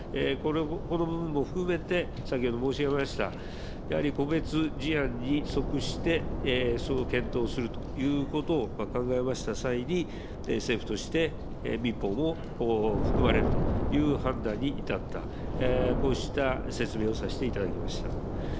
この部分も含めて、先ほど申し上げました、やはり個別事案に即してその検討するということを考えました際に、政府として民法も含まれるという判断に至った、こうした説明をさせていただきました。